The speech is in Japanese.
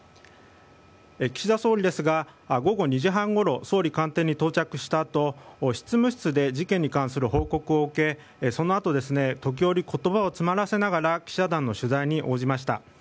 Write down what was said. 岸田総理ですが午後２時半ごろ総理官邸に到着したあと執務室で事件に関する報告を受けそのあと時折、言葉を詰まらせながら記者団の取材に応じました。